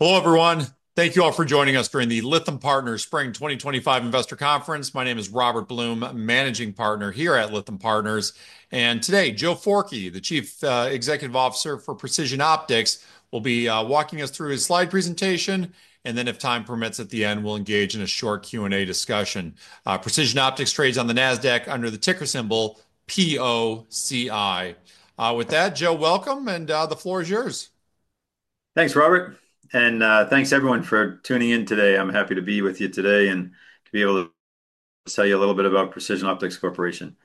Hello, everyone. Thank you all for joining us during the Lytham Partners Spring 2025 Investor Conference. My name is Robert Blum, Managing Partner here at Lytham Partners. Today, Joe Forkey, the Chief Executive Officer for Precision Optics, will be walking us through his slide presentation. If time permits, at the end, we'll engage in a short Q&A discussion. Precision Optics trades on the Nasdaq under the ticker symbol POCI. With that, Joe, welcome, and the floor is yours. Thanks, Robert, and thanks, everyone, for tuning in today. I'm happy to be with you today and to be able to tell you a little bit about Precision Optics Corporation.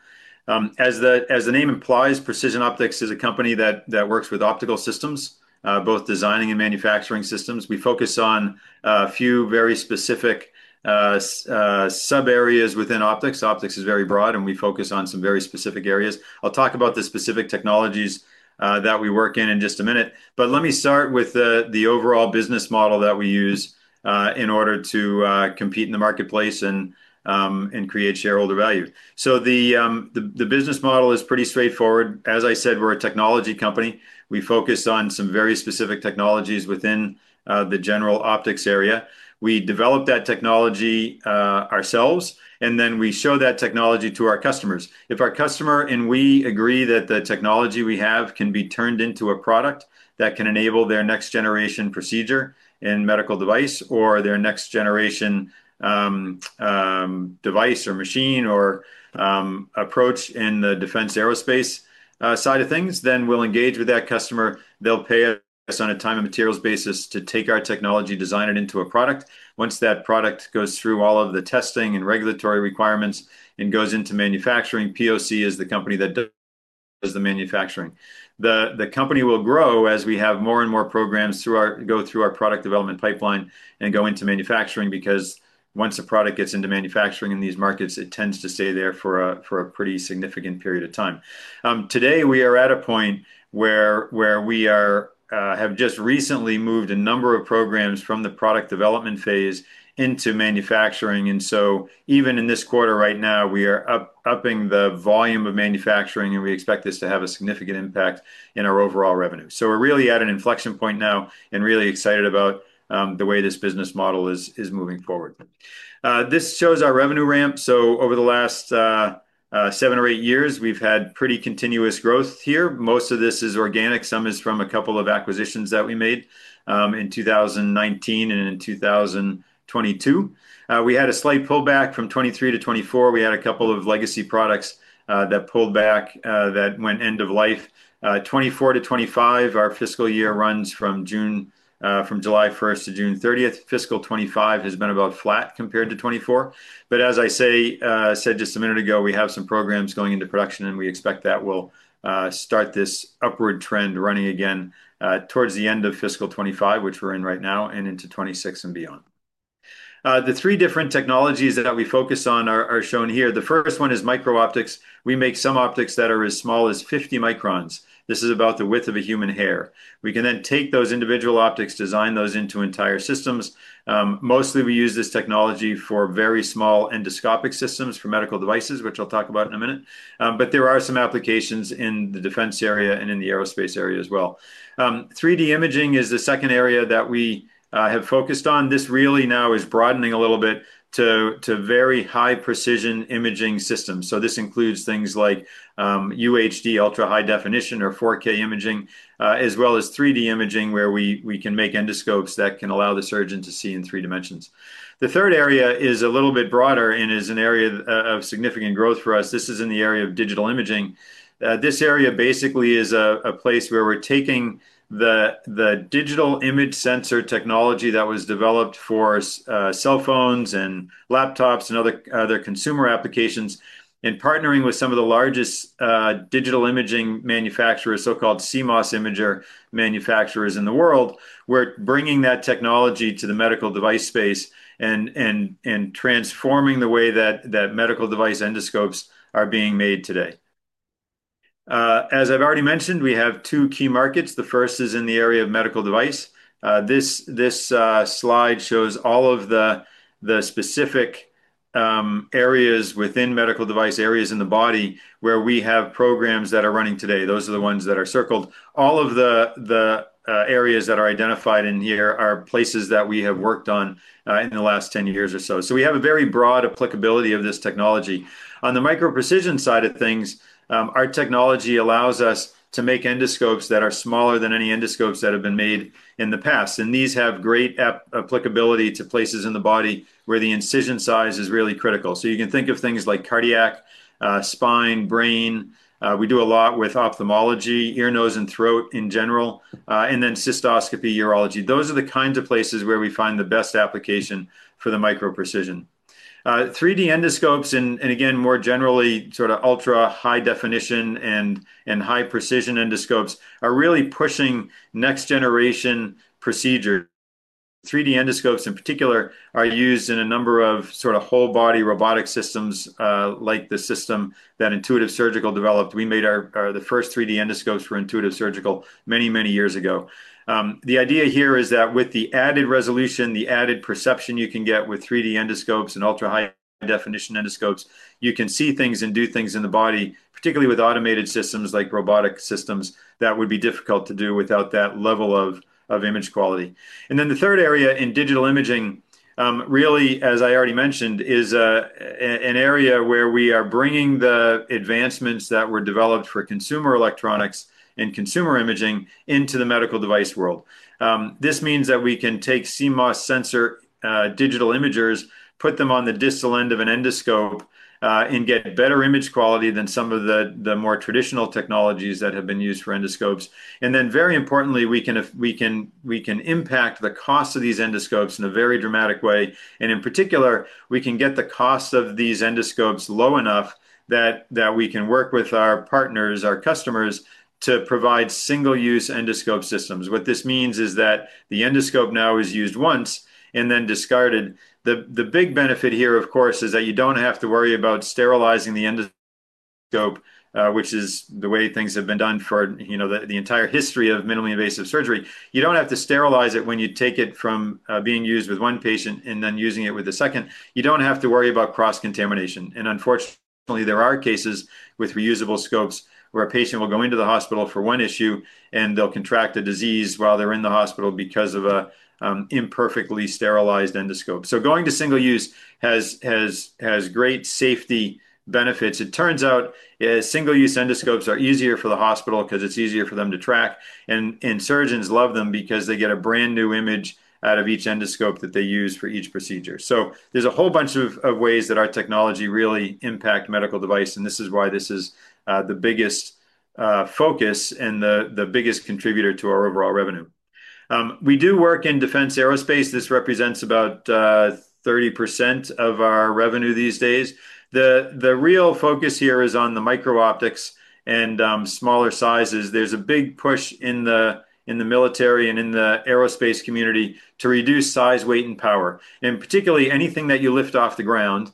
As the name implies, Precision Optics is a company that works with optical systems, both designing and manufacturing systems. We focus on a few very specific sub-areas within optics. Optics is very broad, and we focus on some very specific areas. I'll talk about the specific technologies that we work in in just a minute. Let me start with the overall business model that we use in order to compete in the marketplace and create shareholder value. The business model is pretty straightforward. As I said, we're a technology company. We focus on some very specific technologies within the general optics area. We develop that technology ourselves, and then we show that technology to our customers. If our customer and we agree that the technology we have can be turned into a product that can enable their next-generation procedure and medical device or their next-generation device or machine or approach in the defense aerospace side of things, then we'll engage with that customer. They'll pay us on a time and materials basis to take our technology, design it into a product. Once that product goes through all of the testing and regulatory requirements and goes into manufacturing, POCI is the company that does the manufacturing. The company will grow as we have more and more programs go through our product development pipeline and go into manufacturing because once a product gets into manufacturing in these markets, it tends to stay there for a pretty significant period of time. Today, we are at a point where we have just recently moved a number of programs from the product development phase into manufacturing. Even in this quarter right now, we are upping the volume of manufacturing, and we expect this to have a significant impact in our overall revenue. We're really at an inflection point now and really excited about the way this business model is moving forward. This shows our revenue ramp. Over the last seven or eight years, we've had pretty continuous growth here. Most of this is organic. Some is from a couple of acquisitions that we made in 2019 and in 2022. We had a slight pullback from 2023 to 2024. We had a couple of legacy products that pulled back that went end of life. 2024 to 2025, our fiscal year runs from July 1st to June 30th. Fiscal 2025 has been about flat compared to 2024. As I said just a minute ago, we have some programs going into production, and we expect that will start this upward trend running again towards the end of fiscal 2025, which we're in right now, and into 2026 and beyond. The three different technologies that we focus on are shown here. The first one is Micro-Optics. We make some optics that are as small as 50 microns. This is about the width of a human hair. We can then take those individual optics, design those into entire systems. Mostly, we use this technology for very small endoscopic systems for medical devices, which I'll talk about in a minute. There are some applications in the defense area and in the aerospace area as well. 3D imaging is the second area that we have focused on. This really now is broadening a little bit to very high-precision imaging systems. This includes things like UHD, ultra-high definition or 4K imaging, as well as 3D imaging where we can make endoscopes that can allow the surgeon to see in three dimensions. The third area is a little bit broader and is an area of significant growth for us. This is in the area of digital imaging. This area basically is a place where we're taking the digital image sensor technology that was developed for cell phones and laptops and other consumer applications and partnering with some of the largest digital imaging manufacturers, so-called CMOS imager manufacturers in the world, we're bringing that technology to the medical device space and transforming the way that medical device endoscopes are being made today. As I've already mentioned, we have two key markets. The first is in the area of medical device. This slide shows all of the specific areas within medical device areas in the body where we have programs that are running today. Those are the ones that are circled. All of the areas that are identified in here are places that we have worked on in the last 10 years or so. We have a very broad applicability of this technology. On the micro-precision side of things, our technology allows us to make endoscopes that are smaller than any endoscopes that have been made in the past. These have great applicability to places in the body where the incision size is really critical. You can think of things like cardiac, spine, brain. We do a lot with ophthalmology, ear, nose, and throat in general, and then cystoscopy, urology. Those are the kinds of places where we find the best application for the micro-precision. 3D endoscopes and, again, more generally, sort of ultra-high definition and high-precision endoscopes are really pushing next-generation procedures. 3D endoscopes in particular are used in a number of sort of whole-body robotic systems like the system that Intuitive Surgical developed. We made the first 3D endoscopes for Intuitive Surgical many, many years ago. The idea here is that with the added resolution, the added perception you can get with 3D endoscopes and ultra-high definition endoscopes, you can see things and do things in the body, particularly with automated systems like robotic systems that would be difficult to do without that level of image quality. The third area in digital imaging, really, as I already mentioned, is an area where we are bringing the advancements that were developed for consumer electronics and consumer imaging into the medical device world. This means that we can take CMOS sensor digital imagers, put them on the distal end of an endoscope, and get better image quality than some of the more traditional technologies that have been used for endoscopes. Very importantly, we can impact the cost of these endoscopes in a very dramatic way. In particular, we can get the cost of these endoscopes low enough that we can work with our partners, our customers, to provide single-use endoscope systems. What this means is that the endoscope now is used once and then discarded. The big benefit here, of course, is that you don't have to worry about sterilizing the endoscope, which is the way things have been done for the entire history of minimally invasive surgery. You don't have to sterilize it when you take it from being used with one patient and then using it with the second. You don't have to worry about cross-contamination. Unfortunately, there are cases with reusable scopes where a patient will go into the hospital for one issue, and they'll contract a disease while they're in the hospital because of an imperfectly sterilized endoscope. Going to single-use has great safety benefits. It turns out single-use endoscopes are easier for the hospital because it's easier for them to track. Surgeons love them because they get a brand new image out of each endoscope that they use for each procedure. There is a whole bunch of ways that our technology really impacts medical device. This is why this is the biggest focus and the biggest contributor to our overall revenue. We do work in defense aerospace. This represents about 30% of our revenue these days. The real focus here is on the micro-optics and smaller sizes. There is a big push in the military and in the aerospace community to reduce size, weight, and power. Particularly, anything that you lift off the ground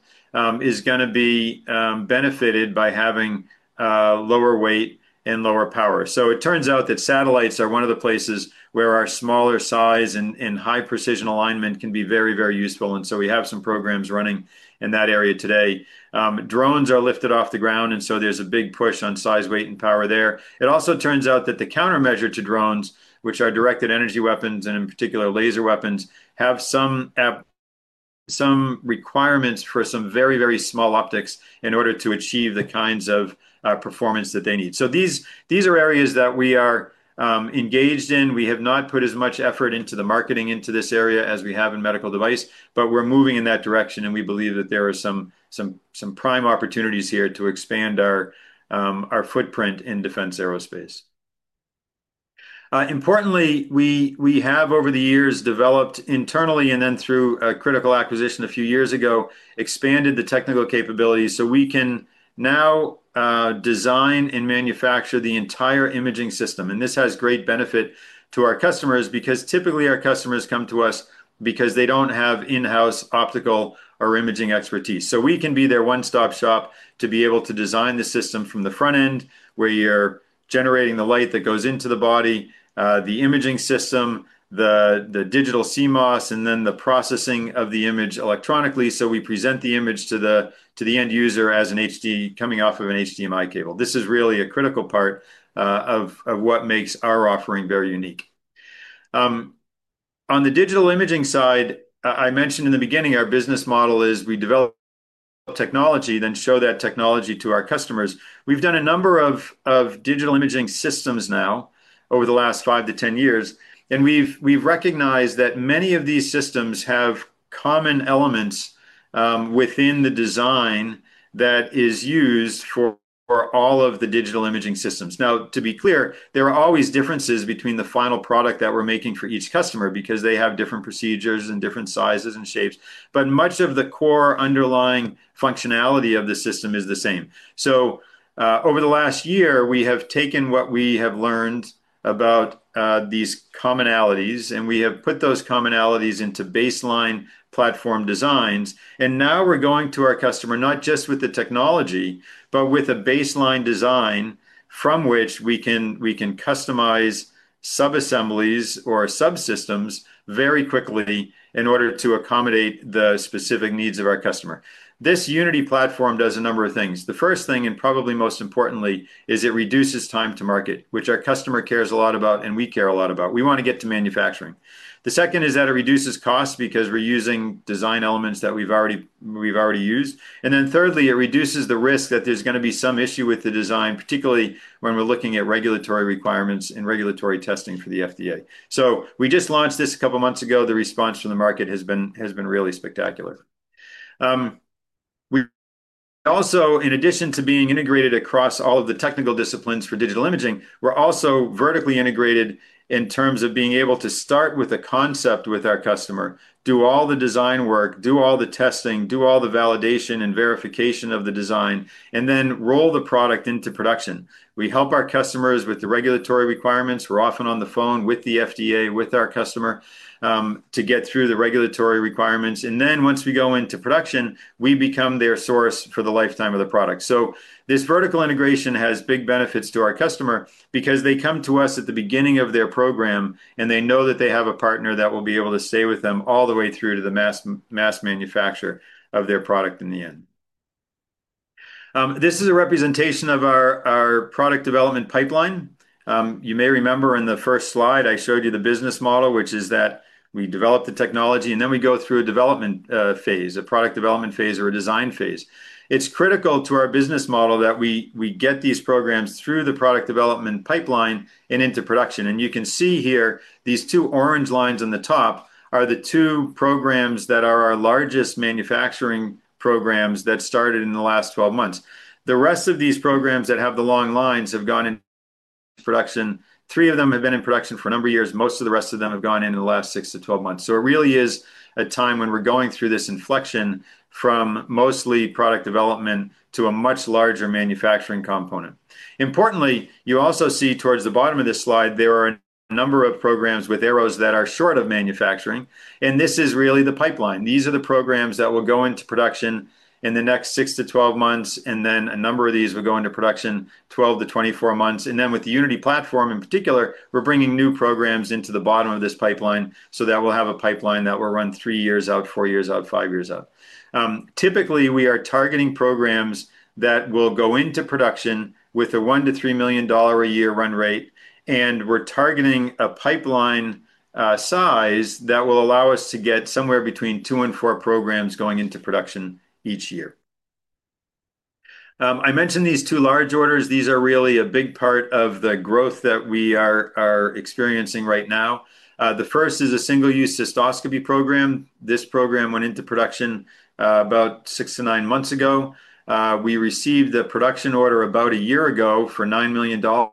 is going to be benefited by having lower weight and lower power. It turns out that satellites are one of the places where our smaller size and high-precision alignment can be very, very useful. We have some programs running in that area today. Drones are lifted off the ground. There is a big push on size, weight, and power there. It also turns out that the countermeasure to drones, which are directed energy weapons and, in particular, laser weapons, have some requirements for some very, very small optics in order to achieve the kinds of performance that they need. These are areas that we are engaged in. We have not put as much effort into the marketing into this area as we have in medical device, but we're moving in that direction. We believe that there are some prime opportunities here to expand our footprint in defense aerospace. Importantly, we have, over the years, developed internally and then through a critical acquisition a few years ago, expanded the technical capabilities so we can now design and manufacture the entire imaging system. This has great benefit to our customers because typically, our customers come to us because they don't have in-house optical or imaging expertise. We can be their one-stop shop to be able to design the system from the front end where you're generating the light that goes into the body, the imaging system, the digital CMOS, and then the processing of the image electronically. We present the image to the end user as an HD coming off of an HDMI cable. This is really a critical part of what makes our offering very unique. On the digital imaging side, I mentioned in the beginning our business model is we develop technology, then show that technology to our customers. We've done a number of digital imaging systems now over the last 5 to 10 years. We've recognized that many of these systems have common elements within the design that is used for all of the digital imaging systems. Now, to be clear, there are always differences between the final product that we're making for each customer because they have different procedures and different sizes and shapes. Much of the core underlying functionality of the system is the same. Over the last year, we have taken what we have learned about these commonalities, and we have put those commonalities into baseline platform designs. Now we're going to our customer not just with the technology, but with a baseline design from which we can customize sub-assemblies or sub-systems very quickly in order to accommodate the specific needs of our customer. This Unity Platform does a number of things. The first thing, and probably most importantly, is it reduces time to market, which our customer cares a lot about and we care a lot about. We want to get to manufacturing. The second is that it reduces costs because we're using design elements that we've already used. Thirdly, it reduces the risk that there's going to be some issue with the design, particularly when we're looking at regulatory requirements and regulatory testing for the FDA. We just launched this a couple of months ago. The response from the market has been really spectacular. Also, in addition to being integrated across all of the technical disciplines for digital imaging, we're also vertically integrated in terms of being able to start with a concept with our customer, do all the design work, do all the testing, do all the validation and verification of the design, and then roll the product into production. We help our customers with the regulatory requirements. We're often on the phone with the FDA, with our customer, to get through the regulatory requirements. Once we go into production, we become their source for the lifetime of the product. This vertical integration has big benefits to our customer because they come to us at the beginning of their program, and they know that they have a partner that will be able to stay with them all the way through to the mass manufacture of their product in the end. This is a representation of our product development pipeline. You may remember in the first slide, I showed you the business model, which is that we develop the technology, and then we go through a development phase, a product development phase or a design phase. It's critical to our business model that we get these programs through the product development pipeline and into production. You can see here, these two orange lines on the top are the two programs that are our largest manufacturing programs that started in the last 12 months. The rest of these programs that have the long lines have gone into production. Three of them have been in production for a number of years. Most of the rest of them have gone in in the last 6 to 12 months. It really is a time when we're going through this inflection from mostly product development to a much larger manufacturing component. Importantly, you also see towards the bottom of this slide, there are a number of programs with arrows that are short of manufacturing. This is really the pipeline. These are the programs that will go into production in the next 6 to 12 months. A number of these will go into production 12 to 24 months. With the Unity platform in particular, we're bringing new programs into the bottom of this pipeline so that we'll have a pipeline that will run three years out, four years out, five years out. Typically, we are targeting programs that will go into production with a $1 million-$3 million a year run rate. We're targeting a pipeline size that will allow us to get somewhere between two and four programs going into production each year. I mentioned these two large orders. These are really a big part of the growth that we are experiencing right now. The first is a single-use cystoscopy program. This program went into production about six to nine months ago. We received a production order about a year ago for $9 million.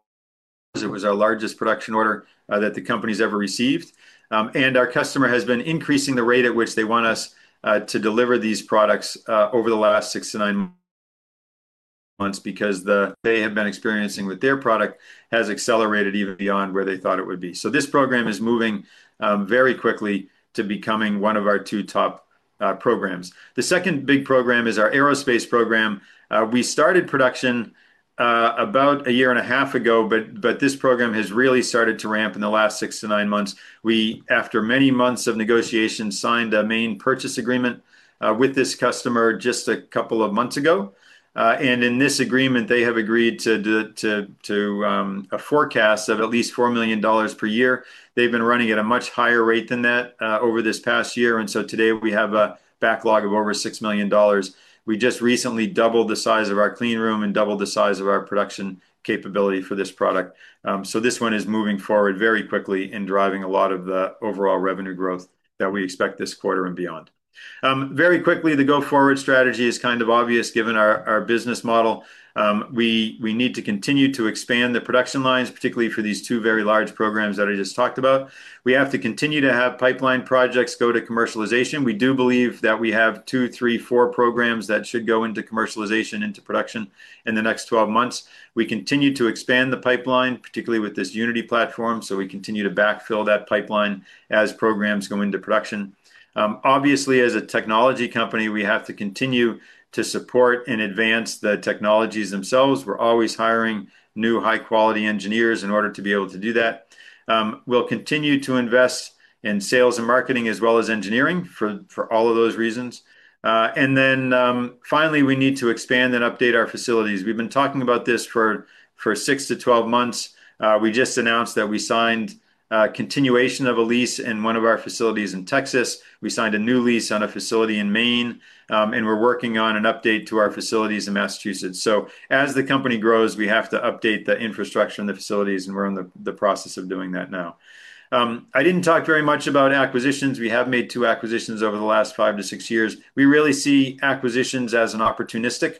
It was our largest production order that the company's ever received. Our customer has been increasing the rate at which they want us to deliver these products over the last six to nine months because the delay they have been experiencing with their product has accelerated even beyond where they thought it would be. This program is moving very quickly to becoming one of our two top programs. The second big program is our aerospace program. We started production about a year and a half ago, but this program has really started to ramp in the last six to nine months. We, after many months of negotiation, signed a main purchase agreement with this customer just a couple of months ago. In this agreement, they have agreed to a forecast of at least $4 million per year. They've been running at a much higher rate than that over this past year. Today, we have a backlog of over $6 million. We just recently doubled the size of our clean room and doubled the size of our production capability for this product. This one is moving forward very quickly and driving a lot of the overall revenue growth that we expect this quarter and beyond. Very quickly, the go-forward strategy is kind of obvious given our business model. We need to continue to expand the production lines, particularly for these two very large programs that I just talked about. We have to continue to have pipeline projects go to commercialization. We do believe that we have two, three, four programs that should go into commercialization, into production in the next 12 months. We continue to expand the pipeline, particularly with this Unity Platform, so we continue to backfill that pipeline as programs go into production. Obviously, as a technology company, we have to continue to support and advance the technologies themselves. We're always hiring new high-quality engineers in order to be able to do that. We'll continue to invest in sales and marketing as well as engineering for all of those reasons. Finally, we need to expand and update our facilities. We've been talking about this for 6 to 12 months. We just announced that we signed continuation of a lease in one of our facilities in Texas. We signed a new lease on a facility in Maine. We're working on an update to our facilities in Massachusetts. As the company grows, we have to update the infrastructure and the facilities. We're in the process of doing that now. I didn't talk very much about acquisitions. We have made two acquisitions over the last five to six years. We really see acquisitions as an opportunistic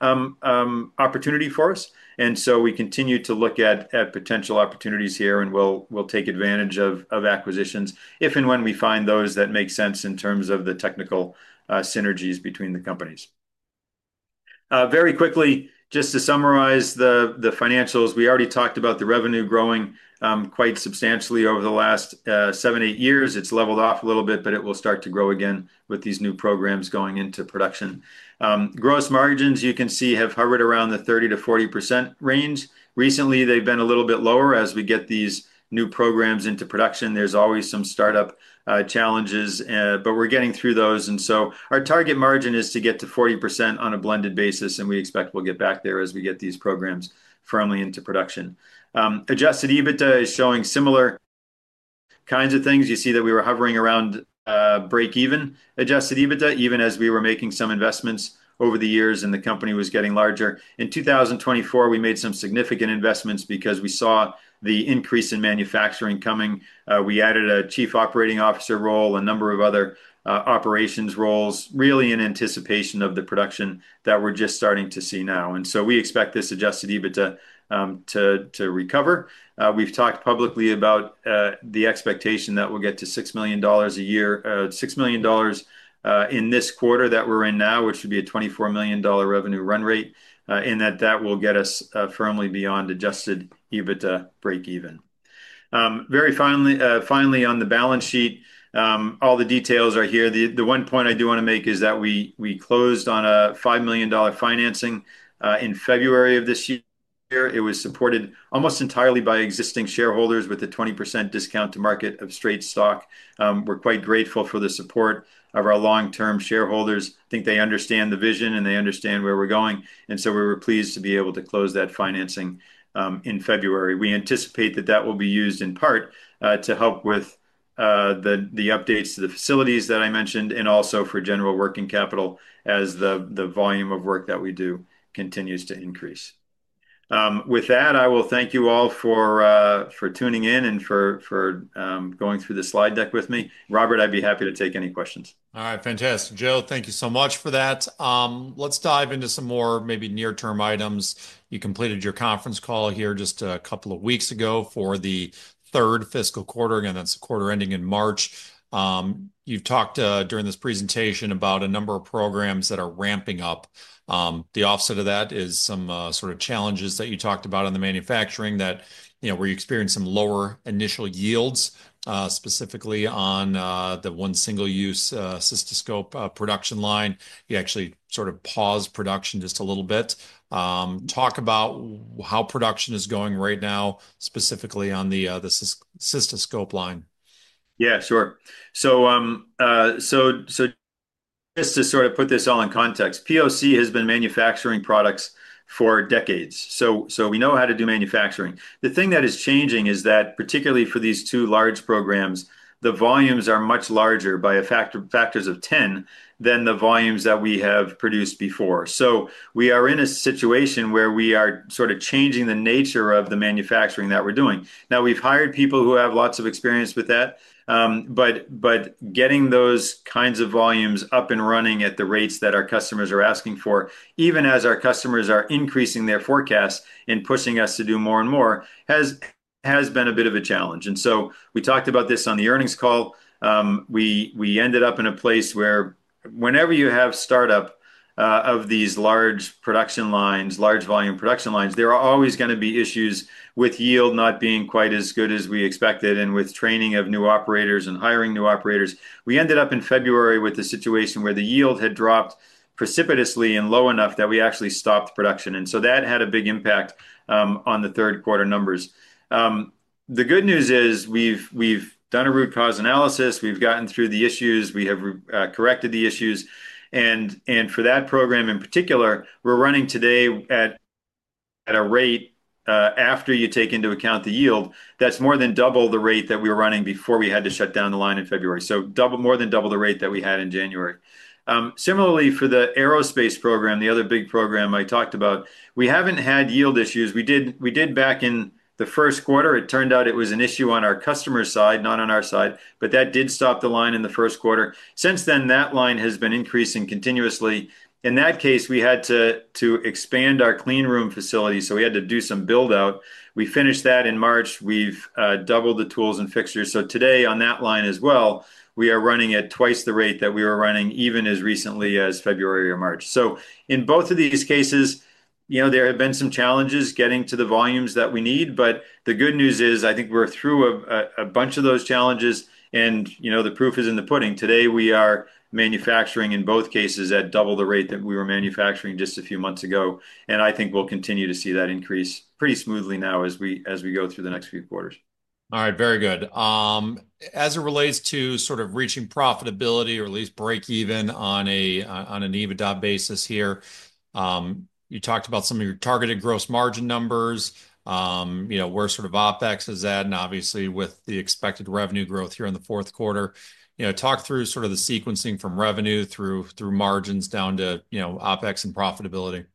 opportunity for us. We continue to look at potential opportunities here. We'll take advantage of acquisitions if and when we find those that make sense in terms of the technical synergies between the companies. Very quickly, just to summarize the financials, we already talked about the revenue growing quite substantially over the last seven to eight years. It's leveled off a little bit, but it will start to grow again with these new programs going into production. Gross margins, you can see, have hovered around the 30%-40% range. Recently, they've been a little bit lower as we get these new programs into production. There's always some startup challenges, but we're getting through those. Our target margin is to get to 40% on a blended basis. We expect we'll get back there as we get these programs firmly into production. Adjusted EBITDA is showing similar kinds of things. You see that we were hovering around break-even, adjusted EBITDA, even as we were making some investments over the years and the company was getting larger. In 2024, we made some significant investments because we saw the increase in manufacturing coming. We added a Chief Operating Officer role, a number of other operations roles, really in anticipation of the production that we're just starting to see now. We expect this adjusted EBITDA to recover. We've talked publicly about the expectation that we'll get to $6 million a year, $6 million in this quarter that we're in now, which would be a $24 million revenue run rate, and that that will get us firmly beyond adjusted EBITDA break-even. Very finally, on the balance sheet, all the details are here. The one point I do want to make is that we closed on a $5 million financing in February of this year. It was supported almost entirely by existing shareholders with a 20% discount to market of straight stock. We're quite grateful for the support of our long-term shareholders. I think they understand the vision and they understand where we're going. We were pleased to be able to close that financing in February. We anticipate that will be used in part to help with the updates to the facilities that I mentioned and also for general working capital as the volume of work that we do continues to increase. With that, I will thank you all for tuning in and for going through the slide deck with me. Robert, I'd be happy to take any questions. All right. Fantastic. Joe, thank you so much for that. Let's dive into some more maybe near-term items. You completed your conference call here just a couple of weeks ago for the third fiscal quarter. Again, that's the quarter ending in March. You've talked during this presentation about a number of programs that are ramping up. The offset of that is some sort of challenges that you talked about in the manufacturing where you experienced some lower initial yields, specifically on the one single-use cystoscope production line. You actually sort of paused production just a little bit. Talk about how production is going right now, specifically on the cystoscope line. Yeah, sure. So just to sort of put this all in context, POCI has been manufacturing products for decades. So we know how to do manufacturing. The thing that is changing is that, particularly for these two large programs, the volumes are much larger by factors of 10 than the volumes that we have produced before. So we are in a situation where we are sort of changing the nature of the manufacturing that we're doing. Now, we've hired people who have lots of experience with that. But getting those kinds of volumes up and running at the rates that our customers are asking for, even as our customers are increasing their forecasts and pushing us to do more and more, has been a bit of a challenge. And so we talked about this on the earnings call. We ended up in a place where whenever you have startup of these large production lines, large volume production lines, there are always going to be issues with yield not being quite as good as we expected and with training of new operators and hiring new operators. We ended up in February with a situation where the yield had dropped precipitously and low enough that we actually stopped production. That had a big impact on the third quarter numbers. The good news is we've done a root cause analysis. We've gotten through the issues. We have corrected the issues. For that program in particular, we're running today at a rate, after you take into account the yield, that's more than double the rate that we were running before we had to shut down the line in February. More than double the rate that we had in January. Similarly, for the aerospace program, the other big program I talked about, we have not had yield issues. We did back in the first quarter. It turned out it was an issue on our customer side, not on our side, but that did stop the line in the first quarter. Since then, that line has been increasing continuously. In that case, we had to expand our clean room facility. We had to do some build-out. We finished that in March. We have doubled the tools and fixtures. Today, on that line as well, we are running at twice the rate that we were running even as recently as February or March. In both of these cases, there have been some challenges getting to the volumes that we need. The good news is I think we're through a bunch of those challenges. The proof is in the pudding. Today, we are manufacturing in both cases at double the rate that we were manufacturing just a few months ago. I think we'll continue to see that increase pretty smoothly now as we go through the next few quarters. All right. Very good. As it relates to sort of reaching profitability or at least break-even on an EBITDA basis here, you talked about some of your targeted gross margin numbers, where sort of OPEX is at, and obviously with the expected revenue growth here in the fourth quarter. Talk through sort of the sequencing from revenue through margins down to OPEX and profitability.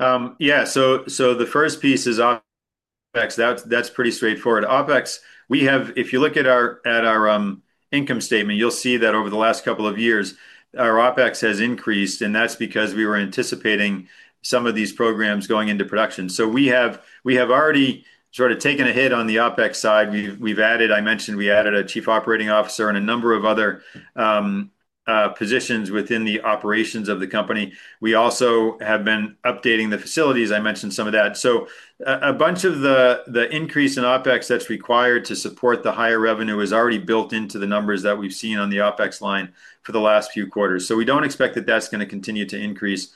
Yeah. The first piece is OPEX. That's pretty straightforward. OPEX, if you look at our income statement, you'll see that over the last couple of years, our OPEX has increased. That's because we were anticipating some of these programs going into production. We have already sort of taken a hit on the OPEX side. I mentioned we added a Chief Operating Officer and a number of other positions within the operations of the company. We also have been updating the facilities. I mentioned some of that. A bunch of the increase in OPEX that's required to support the higher revenue is already built into the numbers that we've seen on the OPEX line for the last few quarters. We don't expect that that's going to continue to increase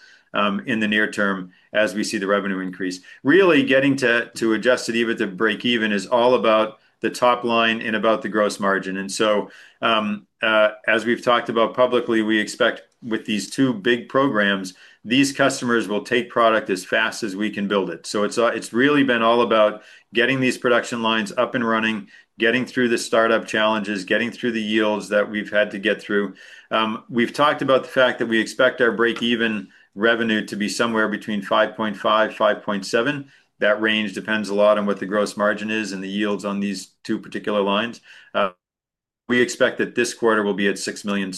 in the near term as we see the revenue increase. Really, getting to adjusted EBITDA break-even is all about the top line and about the gross margin. As we've talked about publicly, we expect with these two big programs, these customers will take product as fast as we can build it. It's really been all about getting these production lines up and running, getting through the startup challenges, getting through the yields that we've had to get through. We've talked about the fact that we expect our break-even revenue to be somewhere between $5.5 million-$5.7 million. That range depends a lot on what the gross margin is and the yields on these two particular lines. We expect that this quarter will be at $6 million.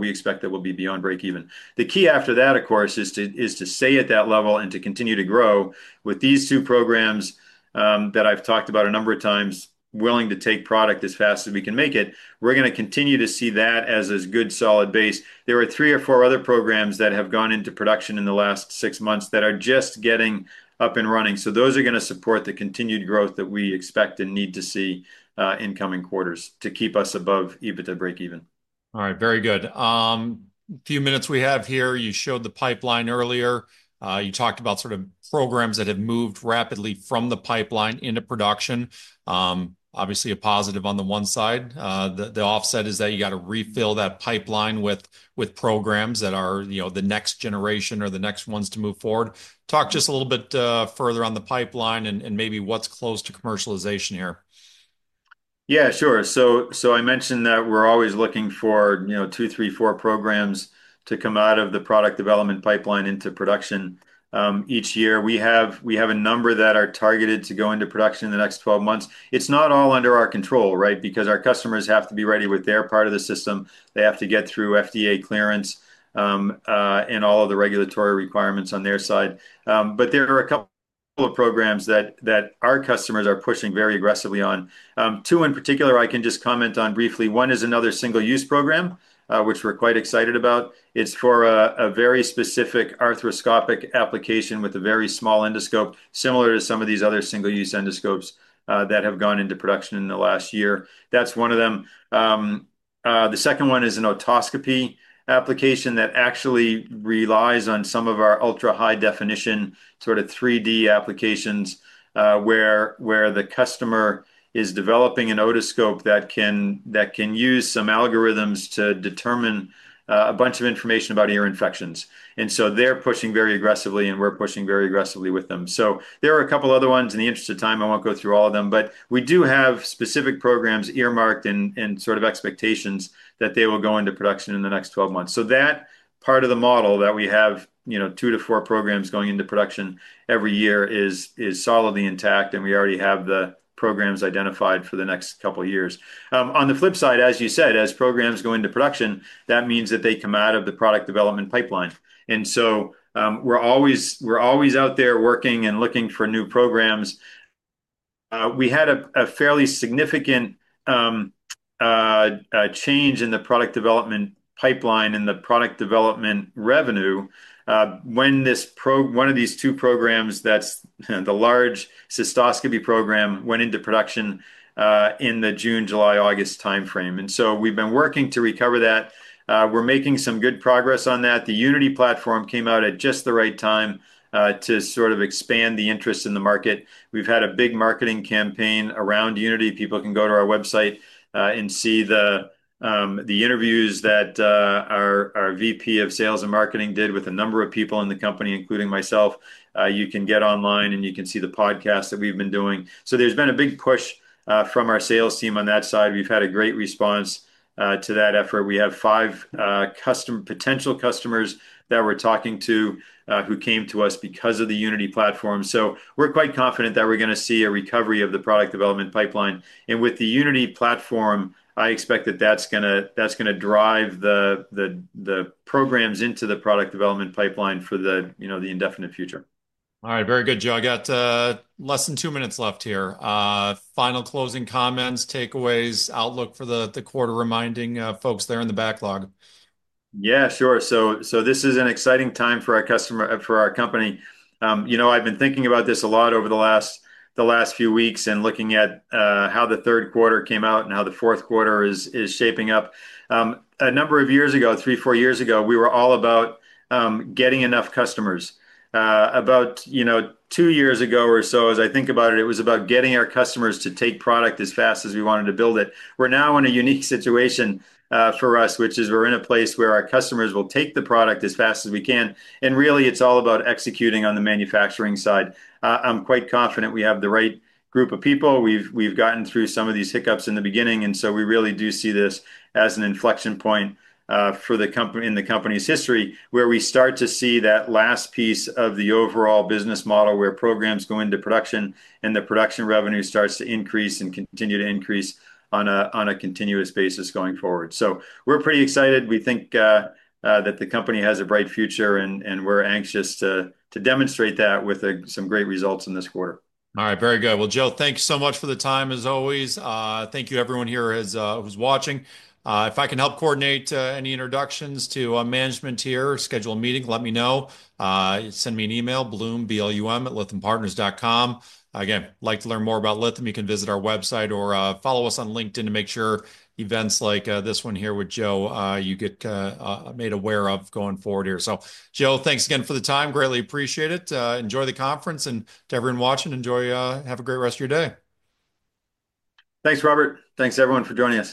We expect that we'll be beyond break-even. The key after that, of course, is to stay at that level and to continue to grow. With these two programs that I've talked about a number of times, willing to take product as fast as we can make it, we're going to continue to see that as a good solid base. There are three or four other programs that have gone into production in the last six months that are just getting up and running. Those are going to support the continued growth that we expect and need to see in coming quarters to keep us above EBITDA break-even. All right. Very good. A few minutes we have here. You showed the pipeline earlier. You talked about sort of programs that have moved rapidly from the pipeline into production. Obviously, a positive on the one side. The offset is that you got to refill that pipeline with programs that are the next generation or the next ones to move forward. Talk just a little bit further on the pipeline and maybe what's close to commercialization here. Yeah, sure. I mentioned that we're always looking for two, three, four programs to come out of the product development pipeline into production each year. We have a number that are targeted to go into production in the next 12 months. It's not all under our control, right, because our customers have to be ready with their part of the system. They have to get through FDA clearance and all of the regulatory requirements on their side. There are a couple of programs that our customers are pushing very aggressively on. Two in particular I can just comment on briefly. One is another single-use program, which we're quite excited about. It's for a very specific arthroscopic application with a very small endoscope, similar to some of these other single-use endoscopes that have gone into production in the last year. That's one of them. The second one is an otoscopy application that actually relies on some of our ultra-high-definition sort of 3D applications where the customer is developing an otoscope that can use some algorithms to determine a bunch of information about ear infections. They are pushing very aggressively, and we're pushing very aggressively with them. There are a couple other ones. In the interest of time, I won't go through all of them. We do have specific programs earmarked and sort of expectations that they will go into production in the next 12 months. That part of the model that we have two to four programs going into production every year is solidly intact. We already have the programs identified for the next couple of years. On the flip side, as you said, as programs go into production, that means that they come out of the product development pipeline. We are always out there working and looking for new programs. We had a fairly significant change in the product development pipeline and the product development revenue when one of these two programs, the large cystoscopy program, went into production in the June, July, August timeframe. We have been working to recover that. We are making some good progress on that. The Unity platform came out at just the right time to sort of expand the interest in the market. We have had a big marketing campaign around Unity. People can go to our website and see the interviews that our VP of Sales and Marketing did with a number of people in the company, including myself. You can get online, and you can see the podcast that we've been doing. There has been a big push from our sales team on that side. We've had a great response to that effort. We have five potential customers that we're talking to who came to us because of the Unity platform. We are quite confident that we are going to see a recovery of the product development pipeline. With the Unity platform, I expect that is going to drive the programs into the product development pipeline for the indefinite future. All right. Very good, Joe. I got less than two minutes left here. Final closing comments, takeaways, outlook for the quarter, reminding folks there in the backlog. Yeah, sure. This is an exciting time for our customer, for our company. I've been thinking about this a lot over the last few weeks and looking at how the third quarter came out and how the fourth quarter is shaping up. A number of years ago, three, four years ago, we were all about getting enough customers. About two years ago or so, as I think about it, it was about getting our customers to take product as fast as we wanted to build it. We're now in a unique situation for us, which is we're in a place where our customers will take the product as fast as we can. Really, it's all about executing on the manufacturing side. I'm quite confident we have the right group of people. We've gotten through some of these hiccups in the beginning. We really do see this as an inflection point in the company's history where we start to see that last piece of the overall business model where programs go into production and the production revenue starts to increase and continue to increase on a continuous basis going forward. We are pretty excited. We think that the company has a bright future, and we are anxious to demonstrate that with some great results in this quarter. All right. Very good. Joe, thanks so much for the time, as always. Thank you, everyone here who's watching. If I can help coordinate any introductions to management here, schedule a meeting, let me know. Send me an email, Blum, blum@lythampartners.com. Again, like to learn more about Lytham, you can visit our website or follow us on LinkedIn to make sure events like this one here with Joe, you get made aware of going forward here. Joe, thanks again for the time. Greatly appreciate it. Enjoy the conference. To everyone watching, have a great rest of your day. Thanks, Robert. Thanks, everyone, for joining us.